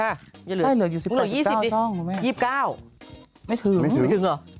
ใช่เหลืออยู่๑๘๒๙ช่องมึงแม่งไม่ถึงไม่ถึงหรอ